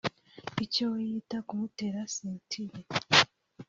icyo we yita kumutera sentiri